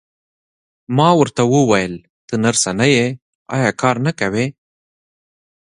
ما ورته وویل: ته نرسه نه یې، ایا کار نه کوې؟